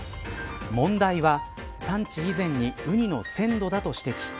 問題は、産地以前にウニの鮮度だと指摘。